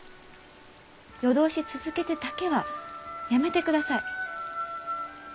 夜通し続けてだけはやめてください。